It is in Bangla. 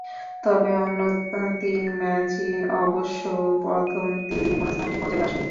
তবে অন্য তিন ম্যাচই অবশ্য প্রথম তিন দিনে বোনাস পয়েন্টের পর্যায়ে আসেনি।